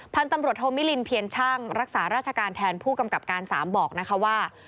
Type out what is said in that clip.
พันธุ์ตำรวจโทมิลินเพียรช่างรักษาราชการแทนผู้กำกับการ๓บอกนะคะว่า